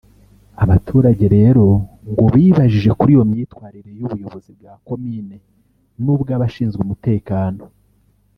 Abaturage rero ngo bibajije kuri iyo myitwarire y’ubuyobozi bwa komini n’ubw’abashinzwe umutekano